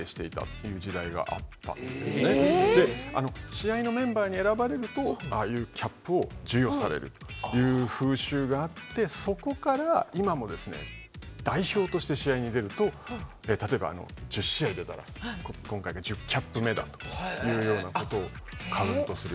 試合のメンバーに選ばれるとああいうキャップを授与されるという風習があってそこから今もですね代表として試合に出ると例えば１０試合出たら今回が１０キャップ目だというようなことをカウントするようになって。